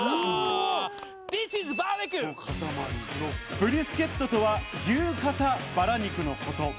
ブリスケットとは牛肩バラ肉のこと。